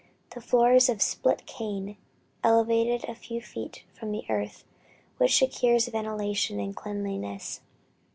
The floor is of split cane, elevated a few feet from the earth, which secures ventilation and cleanliness.